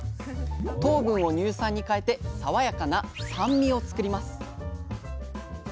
糖分を乳酸に変えて爽やかな酸味を作ります。